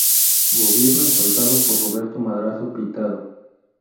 Gobierno encabezado por Roberto Madrazo Pintado.